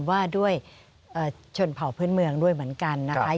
ว่าด้วยชนเผ่าพื้นเมืองด้วยเหมือนกันนะคะ